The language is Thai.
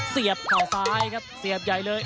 เข่าซ้ายครับเสียบใหญ่เลย